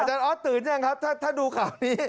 อาจารย์ออสตื่นยังครับถ้าดูข่าวนี้